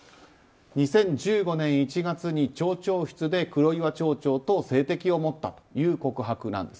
２０１５年１月に町長室で黒岩町長と性的関係を持ったという告白なんです。